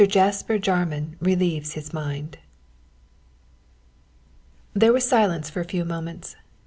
JASPER JARMAN RELIEVES HIS MIND There was silence for a few moments.